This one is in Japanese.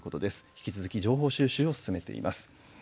引き続き情報収集を進めています。